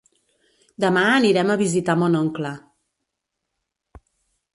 Demà anirem a visitar mon oncle.